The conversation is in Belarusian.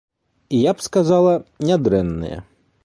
Я б сказала, нядрэнныя!